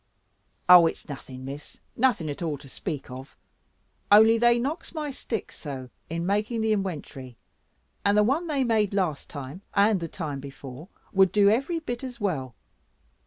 "Oh, it's nothing, Miss; nothing at all to speak of: only they knocks my sticks so in making the inwentory, and the one they made last time, and the time before, would do every bit as well.